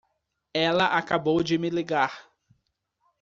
Ela acabou de me ligar.